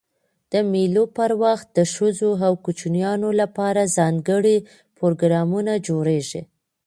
د مېلو پر وخت د ښځو او کوچنيانو له پاره ځانګړي پروګرامونه جوړېږي.